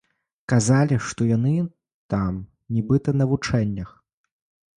Казалі, што яны там нібыта на вучэннях.